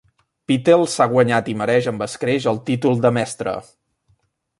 Pittel s'ha guanyat i mereix amb escreix el títol de "mestre".